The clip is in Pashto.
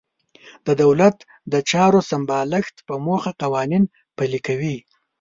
د دولت د چارو سمبالښت په موخه قوانین پلي کوي.